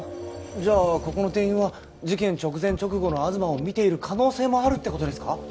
じゃあここの店員は事件直前直後の東を見ている可能性もあるってことですか？